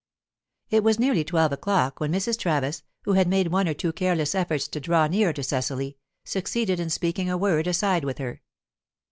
It was nearly twelve o'clock when Mrs. Travis, who had made one or two careless efforts to draw near to Cecily, succeeded in speaking a word aside with her.